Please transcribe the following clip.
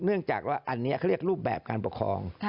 เนื่องจากว่าอันนี้เขาเรียกรูปแบบการปกครอง